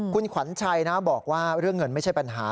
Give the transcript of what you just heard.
คุณขวัญชัยนะบอกว่าเรื่องเงินไม่ใช่ปัญหา